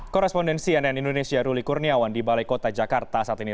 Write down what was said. korespondensi nn indonesia ruli kurniawan di balai kota jakarta saat ini